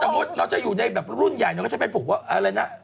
ถ้าสมมุติเราจะอยู่ในแบบรุ่นใหญ่เนี่ยก็จะเป็นปลูกว่าอะไรนะ